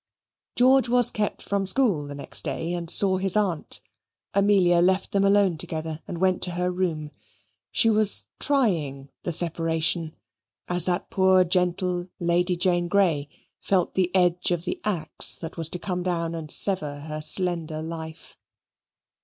George was kept from school the next day, and saw his aunt. Amelia left them alone together and went to her room. She was trying the separation as that poor gentle Lady Jane Grey felt the edge of the axe that was to come down and sever her slender life.